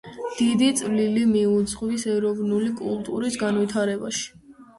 დიდი წვლილი მიუძღვის ეროვნული კულტურის განვითარებაში.